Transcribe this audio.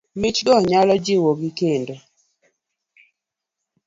Michgo nyalo jiwogi, kendo m